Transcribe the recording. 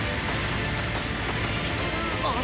あれ？